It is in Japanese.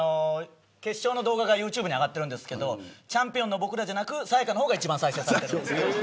決勝の動画がユーチューブに上がってますけどチャンピオンの僕らじゃなくてさや香が一番再生されてる。